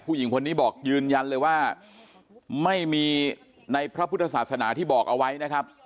ผู้หญิงคนนี้บอกยืนยันเลยว่าไม่มีในพระพุทธศาสนาที่บอกเอาไว้นะครับ